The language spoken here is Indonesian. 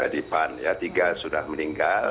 di pan ya tiga sudah meninggal